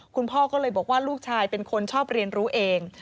คุณพ่อก็เลยบอกว่าลูกชายเป็นคนชอบเรียนรู้เอง